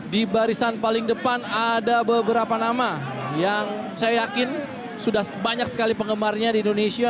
di barisan paling depan ada beberapa nama yang saya yakin sudah banyak sekali penggemarnya di indonesia